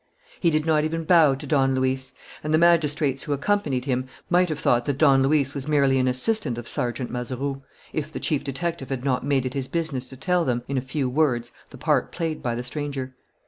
He did not even bow to Don Luis; and the magistrates who accompanied him might have thought that Don Luis was merely an assistant of Sergeant Mazeroux, if the chief detective had not made it his business to tell them, in a few words, the part played by the stranger.